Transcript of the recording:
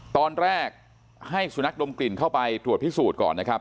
ตอนแรกให้สุนัขดมกลิ่นเข้าไปตรวจพิสูจน์ก่อนนะครับ